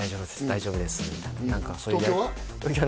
「大丈夫です」みたいな東京は？